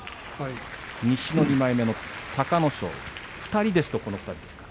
西の２枚目の隆の勝２人ですと、この２人ですかね。